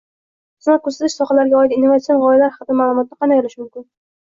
xizmat ko’rsatish sohalariga oid innovatsion g’oyalar haqida ma’lumotni qanday olish mumkin?